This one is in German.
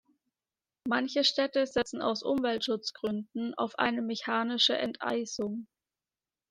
Manche Städte setzen aus Umweltschutzgründen auf eine mechanische Enteisung.